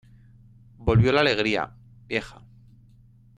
Volvió la alegría, vieja!